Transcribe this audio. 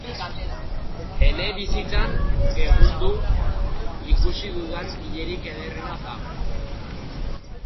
Ene bizitzan egundo ikusi dudan ilerik ederrena da.